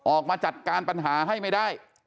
ออกมาจัดการปัญหาให้ไม่ได้